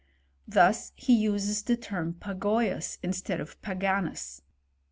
Thus he uses the term pagoyus, instead of paganus.